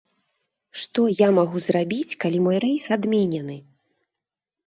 Што я магу зрабіць, калі мой рэйс адменены?